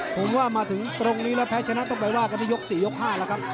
ผมว่ามาถึงตรงนี้แล้วแพ้ชนะต้องไปว่ากันที่ยก๔ยก๕แล้วครับ